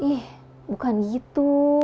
ih bukan gitu